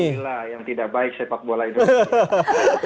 inilah yang tidak baik sepak bola indonesia